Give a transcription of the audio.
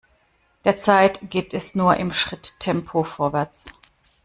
Derzeit geht es nur im Schritttempo vorwärts.